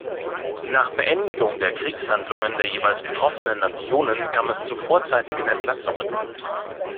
Nach Beendigung der Kriegshandlungen der jeweils betroffenen Nationen kam es zu vorzeitigen Entlassungen.